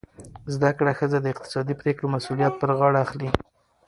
زده کړه ښځه د اقتصادي پریکړو مسؤلیت پر غاړه اخلي.